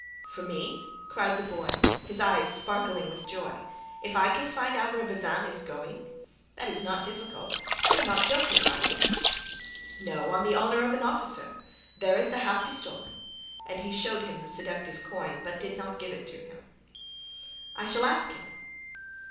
"For me?" cried the boy, his eyes sparkling with joy, "if I can find out where Bazin is going? That is not difficult. You are not joking, are you?" "No, on the honor of an officer; there is the half pistole;" and he showed him the seductive coin, but did not give it him. "I shall ask him."